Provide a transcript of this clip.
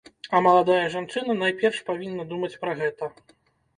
А маладая жанчына найперш павінна думаць пра гэта.